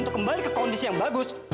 untuk kembali ke kondisi yang bagus